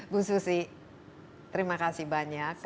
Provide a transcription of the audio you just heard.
bu susi terima kasih banyak